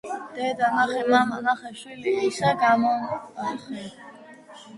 დედა ნახე, მამა ნახე, შვილი ისე გამონახე.